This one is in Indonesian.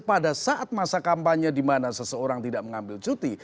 pada saat masa kampanye di mana seseorang tidak mengambil cuti